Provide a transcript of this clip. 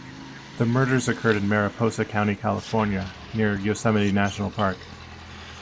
The murders occurred in Mariposa County, California, near Yosemite National Park.